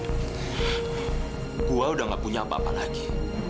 tred gua udah gak punya apa apa lagi